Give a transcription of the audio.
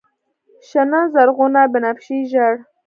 شنه، زرغونه، بنفشیې، ژړ